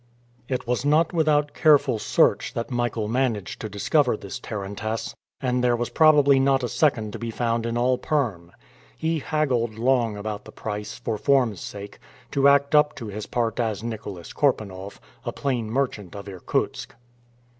It was not without careful search that Michael managed to discover this tarantass, and there was probably not a second to be found in all Perm. He haggled long about the price, for form's sake, to act up to his part as Nicholas Korpanoff, a plain merchant of Irkutsk.